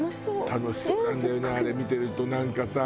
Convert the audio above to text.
楽しそうなんだよねあれ見てるとなんかさ。